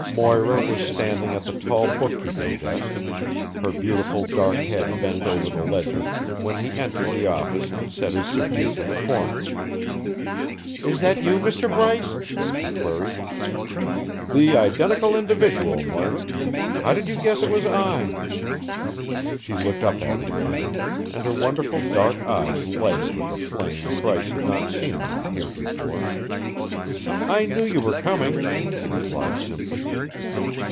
Moira was standing at the tall bookkeeping desk, her beautiful dark head bent over the ledger, when he entered the office and set his suitcase in the corner. "Is that you, Mr. Bryce?" she queried. "The identical individual, Moira. How did you guess it was I?" She looked up at him then, and her wonderful dark eyes lighted with a flame Bryce had not seen in them heretofore. "I knew you were coming," she replied simply.